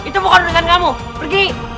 itu bukan dengan kamu pergi